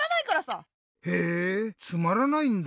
へえつまらないんだ。